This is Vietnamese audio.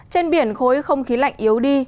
trên biển khối không khí lạnh yếu đi